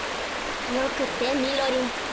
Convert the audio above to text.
よくってみろりん！